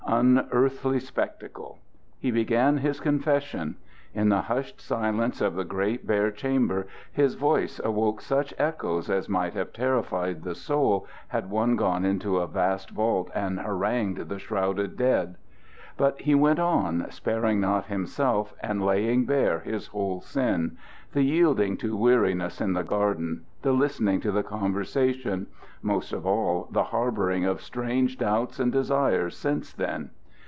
Unearthly spectacle! He began his confession. In the hushed silence of the great bare chamber his voice awoke such echoes as might have terrified the soul had one gone into a vast vault and harangued the shrouded dead. But he went on, sparing not himself and laying bare his whole sin the yielding to weariness in the garden; the listening to the conversation; most of all, the harboring of strange doubts and desires since then.